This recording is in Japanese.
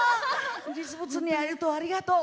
実物に会えたありがとう。